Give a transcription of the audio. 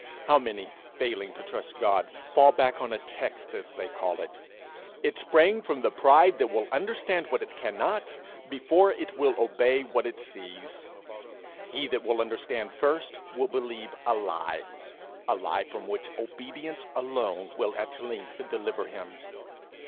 How many, failing to trust God, fall back on a text, as they call it! It sprang from the pride that will understand what it cannot, before it will obey what it sees. He that will understand first will believe a lie a lie from which obedience alone will at length deliver him.